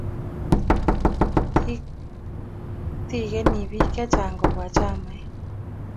tikekeni bik chechang kobwa chamait